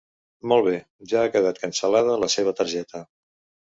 Molt bé, ja ha quedat cancel·lada la seva targeta.